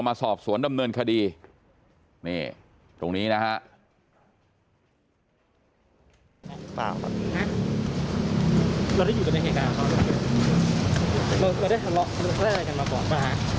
มาสอบสวนดำเนินคดีตรงนี้นะครับ